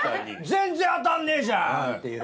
全然当たんねえじゃん！っていう。